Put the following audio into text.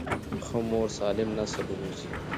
ښه مور سالم نسل روزي.